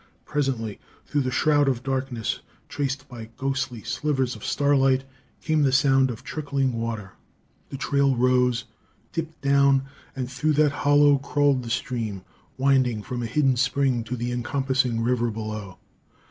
Presently, through the shroud of darkness traced by ghostly slivers of starlight, came the sound of trickling water. The trail rose, dipped down; and through that hollow crawled the stream, winding from a hidden spring to the encompassing river below.